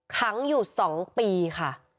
ขังอยู่๒ปีค่ะ